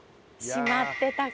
閉まってたか。